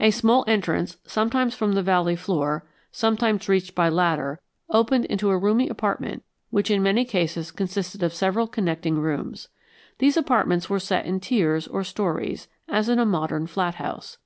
A small entrance, sometimes from the valley floor, sometimes reached by ladder, opened into a roomy apartment which in many cases consisted of several connecting rooms. These apartments were set in tiers or stories, as in a modern flat house.